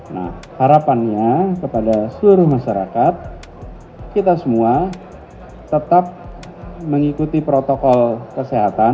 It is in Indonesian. nah harapannya kepada seluruh masyarakat kita semua tetap mengikuti protokol kesehatan